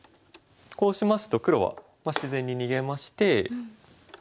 こうしますと黒は自然に逃げまして。